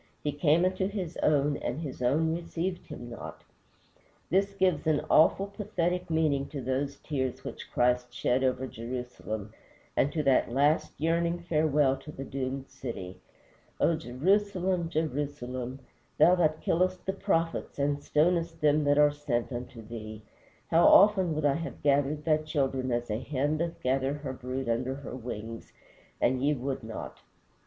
He came unto his own, and his own received him not. This gives an awful, pathetic meaning to those tears which Christ shed over Jerusalem, and to that last yearning farewell to the doomed city: "O Jerusalem, Jerusalem, thou that killest the prophets and stonest them that are sent unto thee; how often would I have gathered thy children as a hen doth gather her brood under her wings, and ye would not."